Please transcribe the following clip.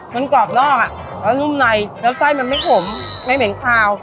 มันกรอบนอกอ่ะแล้วนุ่มในแล้วไส้มันไม่ขมไม่เหม็นคาว